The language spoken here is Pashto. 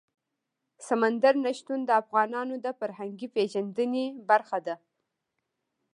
سمندر نه شتون د افغانانو د فرهنګي پیژندنې برخه ده.